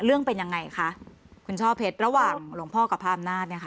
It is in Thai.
เรื่องเป็นยังไงคะคุณช่อเพชรระหว่างหลวงพ่อกับพระอำนาจเนี่ยค่ะ